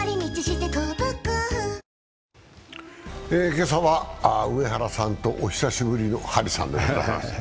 今朝は上原さんとお久しぶりの張さんです。